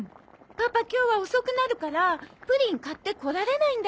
パパ今日は遅くなるからプリン買ってこられないんだって。